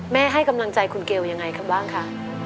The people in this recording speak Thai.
แม่ให้กำลังใจคุณเกลอย่างไรครับบ้างคะ